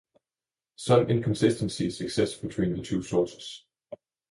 Some inconsistencies exist between the two sources.